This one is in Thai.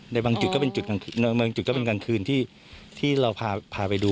แต่บางจุดก็เป็นกลางคืนที่เราพาไปดู